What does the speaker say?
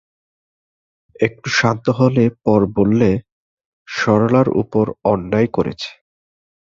একটু শান্ত হলে পর বললে, সরলার উপর অন্যায় করেছি।